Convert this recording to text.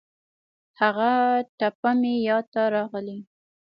هغه ټپه مې یاد ته راغلې.